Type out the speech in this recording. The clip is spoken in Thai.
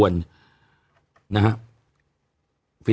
นี่ไง